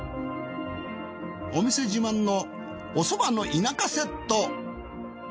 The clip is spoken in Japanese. お店自慢のおそばの田舎セット。